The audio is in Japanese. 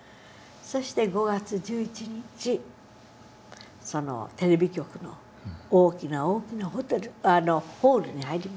そして５月１１日テレビ局の大きな大きなホールに入りました。